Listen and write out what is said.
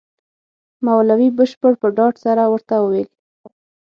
مولوي بشیر په ډاډ سره ورته وویل.